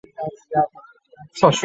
当然是我们的一分子